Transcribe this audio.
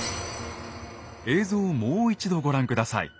映像をもう一度ご覧下さい。